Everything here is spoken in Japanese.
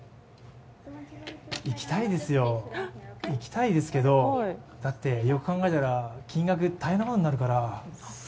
行きたいですよ、行きたいですけど、だってよく考えたら金額、大変なことになるから。